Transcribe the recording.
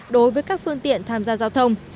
đối với các phương tiện tham gia giao thông